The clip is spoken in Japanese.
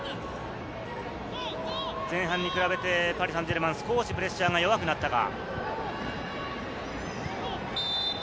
前半に比べてパリ・サンジェルマン、少しプレッシャーが弱くなったか。